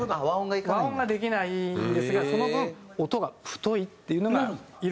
和音ができないんですがその分音が太いっていうのがいろいろ。